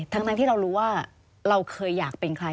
ทั้งที่เรารู้ว่าเราเคยอยากเป็นใคร